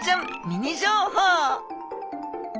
ミニ情報